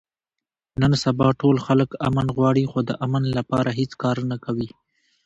نن سبا ټول خلک امن غواړي، خو د امن لپاره هېڅ کار نه کوي.